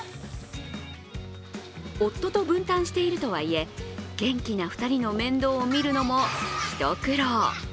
夫と分担しているとはいえ、元気な２人の面倒を見るのも一苦労。